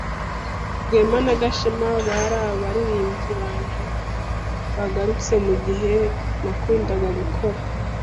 Rwema na Gashema bari abaririmbyi banje bagarutse mugihe nakundaga gukora.